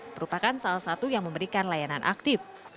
merupakan salah satu yang memberikan layanan aktif